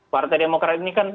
partai demokrat ini kan